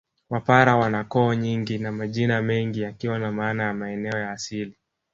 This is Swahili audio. Wapare wana koo nyingi na majina mengi yakiwa na maana ya maeneo ya asili